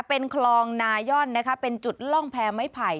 เป็นคลองนาย่อนนะคะเป็นจุดล่องแพ้ไม้ไผ่